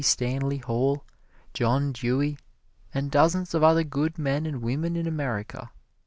Stanley Hall, John Dewey, and dozens of other good men and women in America.